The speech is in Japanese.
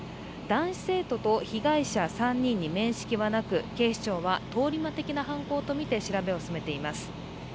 男子生徒と被害者３人に面識はなく警視庁は通り魔的な犯行とみて調べを進めいてます。